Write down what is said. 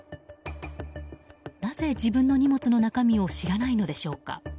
なぜ自分の荷物の中身を知らないのでしょうか。